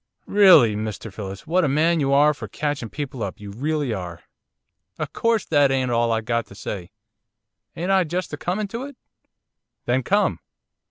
'Rilly, Mr Phillips, what a man you are for catching people up, you rilly are. O' course that ain't all I've got to say, ain't I just a comin' to it?' 'Then come.